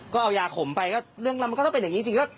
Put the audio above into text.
ก็เอายาขมไปก็เรื่องเรามันก็ต้องเป็นอย่างนี้จริงก็